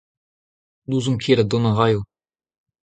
N'ouzon ket ha dont a raio.